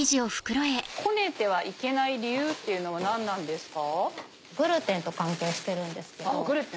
こねてはいけない理由っていうのは何なんですか？